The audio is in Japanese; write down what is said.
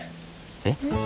えっ？